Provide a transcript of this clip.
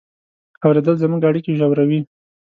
اورېدل زموږ اړیکې ژوروي.